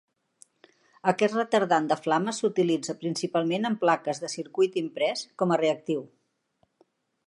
Aquest retardant de flama s'utilitza principalment en plaques de circuit imprès, com a reactiu.